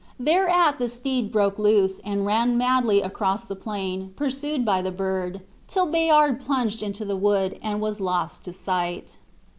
Thereat the steed broke loose, and ran madly across the plain, pursued by the bird, till Bayard plunged into the wood, and was lost to sight.